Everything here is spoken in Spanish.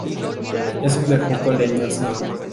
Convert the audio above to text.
Es un bejuco leñoso.